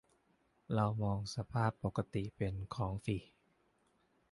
เรามองสภาพปกติเป็นของฟรี